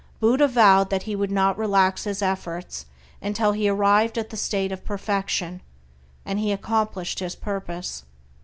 Buddha vowed that he would not relax his efforts until he arrived at the state of perfection, and he accomplished his purpose.